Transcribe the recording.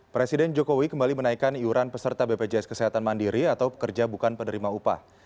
presiden jokowi kembali menaikkan iuran peserta bpjs kesehatan mandiri atau pekerja bukan penerima upah